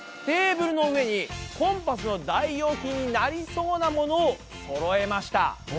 テーブルの上にコンパスの代用品になりそうなものをそろえました。